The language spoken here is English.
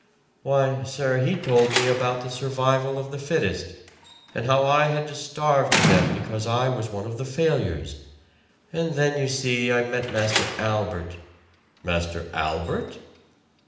"Why, sir, he told me about the survival of the fittest, and how I had to starve to death because I was one of the failures. And then you see, sir, I met Master Albert " "Master Albert?"